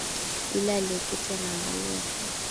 Yule aliyeketi anaangalia tu.